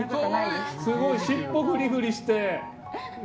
すごい尻尾をふりふりして。